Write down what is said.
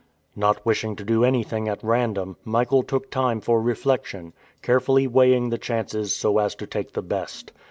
Not wishing to do anything at random, Michael took time for reflection, carefully weighing the chances so as to take the best.